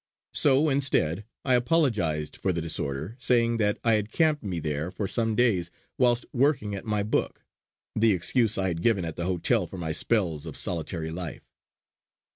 So, instead, I apologised for the disorder, saying that I had camped me there for some days whilst working at my book the excuse I had given at the hotel for my spells of solitary life.